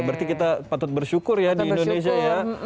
berarti kita patut bersyukur ya di indonesia ya